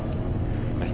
はい。